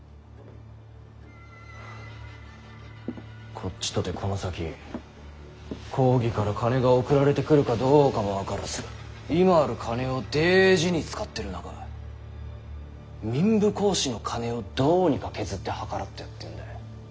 こっちとてこの先公儀から金が送られてくるかどうかも分からず今ある金を大事に使ってる中民部公子の金をどうにか削って計らってやってんだ。